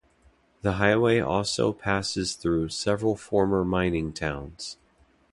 The highway also passes through several former mining towns.